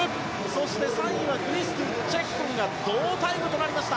そして３位は、クリストゥとチェッコンが同タイムとなりました。